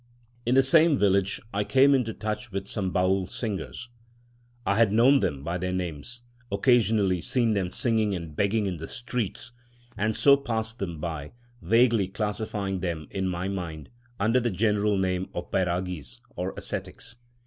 In the same village I came into touch with some Baül singers. I had known them by their names, occasionally seen them singing and begging in the street, and so passed them by, vaguely classifying them in my mind under the general name of Vairâgis, or ascetics.